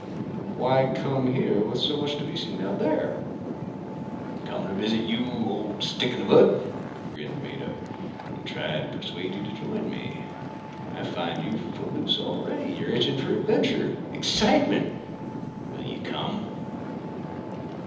"Why come here, with so much to be seen out there?" "Came to visit you, old stick in the mud," grinned Mado, "and to try and persuade you to join me. I find you footloose already. You're itching for adventure; excitement. Will you come?"